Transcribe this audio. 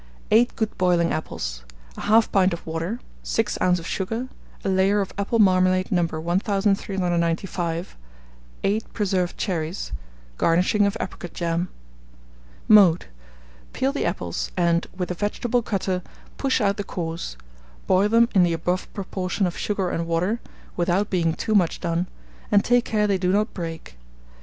8 good boiling apples, 1/2 pint of water, 6 oz. of sugar, a layer of apple marmalade No. 1395, 8 preserved cherries, garnishing of apricot jam. Mode. Peel the apples, and, with a vegetable cutter, push out the cores; boil them in the above proportion of sugar and water, without being too much done, and take care they do not break.